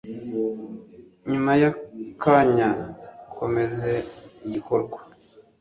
nyuma y'akanya ukomeze igikorwa.